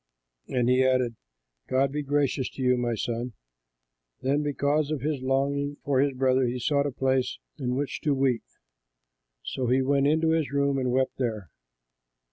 And he added, "God be gracious to you, my son." Then because of his longing for his brother he sought a place in which to weep. So he went into his room and wept there.